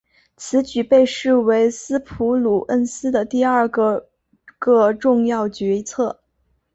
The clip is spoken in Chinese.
此举被视为斯普鲁恩斯的第二个个重要决策。